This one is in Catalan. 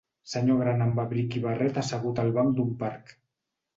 Senyor gran amb abric i barret assegut al banc d'un parc.